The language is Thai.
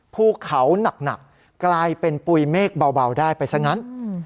ภูเขาหนักกลายเป็นปุ๋ยเมฆเบาได้ไปซะงั้น